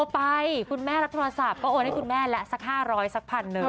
ไปคุณแม่รับโทรศัพท์ก็โอนให้คุณแม่ละสัก๕๐๐สักพันหนึ่ง